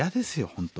本当。